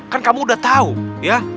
kan kamu udah tahu ya